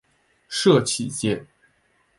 社企界